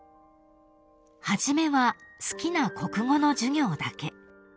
［初めは好きな国語の授業だけ］